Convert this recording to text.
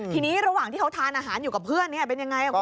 ทีนี้ระหว่างที่เขาทานอาหารอยู่กับเพื่อนเป็นอย่างไรครับคุณสุสกุล